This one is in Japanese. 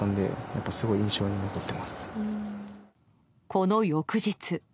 この翌日。